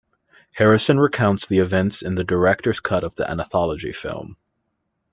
Harrison recounts the event in the director's cut of the "Anthology" film.